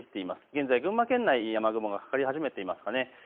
現在、群馬県内、雨雲がかかり始めていますかね。